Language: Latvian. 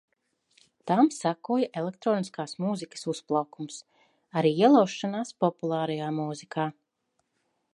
Tam sekoja elektroniskās mūzikas uzplaukums, arī ielaušanās populārajā mūzikā.